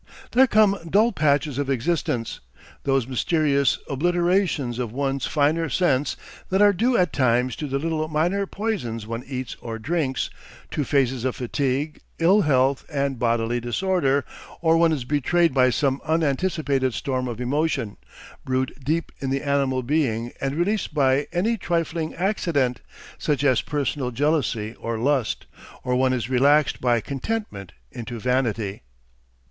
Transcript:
There come dull patches of existence; those mysterious obliterations of one's finer sense that are due at times to the little minor poisons one eats or drinks, to phases of fatigue, ill health and bodily disorder, or one is betrayed by some unanticipated storm of emotion, brewed deep in the animal being and released by any trifling accident, such as personal jealousy or lust, or one is relaxed by contentment into vanity.